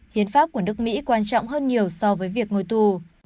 hiến pháp của nước mỹ quan trọng hơn nhiều so với việc ngồi tù